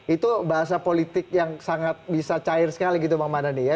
itu bahasa politik yang sangat bisa cair sekali gitu bang mardhani ya